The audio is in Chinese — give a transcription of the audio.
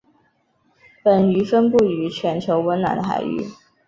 本鱼分布于全球温暖的海域。